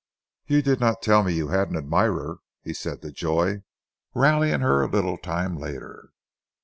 "You did not tell me you had an admirer," he said to Joy, rallying her a little time later.